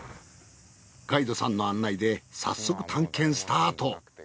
ガイドさんの案内で早速探検スタート。